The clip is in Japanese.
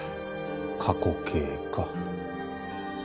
過去形か。